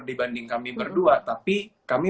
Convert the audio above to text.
dibanding kami berdua tapi kami